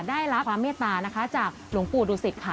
ได้รับความเมตตานะคะจากหลวงปู่ดูสิตค่ะ